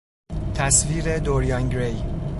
تصویر دوریان گری